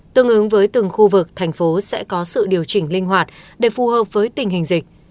tương ứng với từng khu vực thành phố sẽ có sự điều chỉnh linh hoạt để phù hợp với tình hình dịch